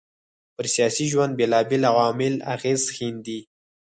پر سياسي ژوند بېلابېل عوامل اغېز ښېندي